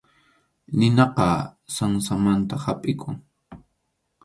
Ninaqa sansamanta hapʼikun.